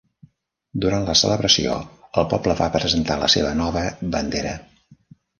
Durant la celebració, el poble va presentar la seva nova bandera.